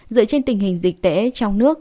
dựa trên tình hình dịch tễ trong nước